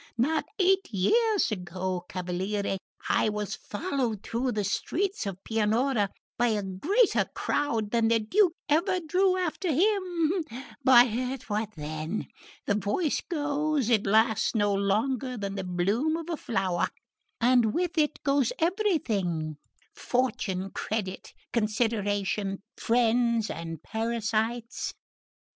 Not eight years ago, cavaliere, I was followed through the streets of Pianura by a greater crowd than the Duke ever drew after him! But what then? The voice goes it lasts no longer than the bloom of a flower and with it goes everything: fortune, credit, consideration, friends and parasites!